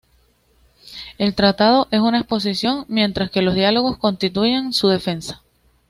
El "Tratado" es una exposición, mientras que los "diálogos" constituyen su defensa.